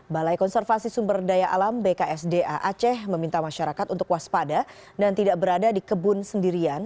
balai konservasi sumber daya alam bksda aceh meminta masyarakat untuk waspada dan tidak berada di kebun sendirian